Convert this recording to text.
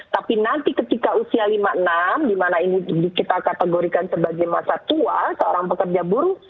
tapi nanti ketika usia lima puluh enam di mana ini kita kategorikan sebagai masa tua seorang pekerja buruh